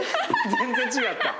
全然違った。